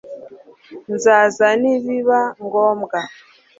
nzaza nibiba ngombwa